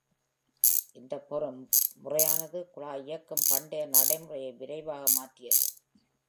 இந்த பொறிமுறையானது, குழாய் இயக்கும் பண்டைய நடைமுறையை விரைவாக மாற்றியது.